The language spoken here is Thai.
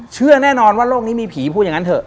เชื่อแน่นอนว่าโลกนี้มีผีพูดอย่างนั้นเถอ